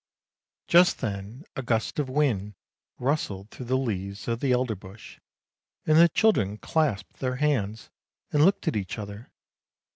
" Just then a gust of wind rustled through the leaves of the elderbush, and the children clasped their hands and looked at each other.